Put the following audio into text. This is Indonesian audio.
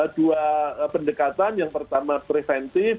dua pendekatan yang pertama preventif